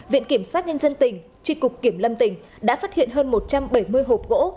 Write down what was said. viện kiểm sát nhân dân tỉnh tri cục kiểm lâm tỉnh đã phát hiện hơn một trăm bảy mươi hộp gỗ